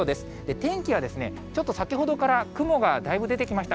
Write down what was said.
天気はちょっと先ほどから、雲がだいぶ出てきました。